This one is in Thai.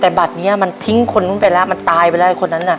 แต่บัดนั้นมันทิ้งคนนั้นไปและมันตายไป